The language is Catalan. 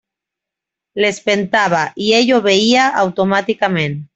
L'espentava, i ell obeïa automàticament.